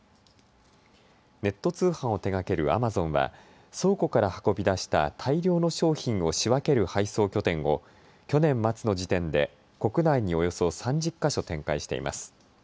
ネット通販を手がけるアマゾンは倉庫から運び出した大量の商品を仕分ける配送拠点を去年末の時点で国内におよそ３０か所展開しています。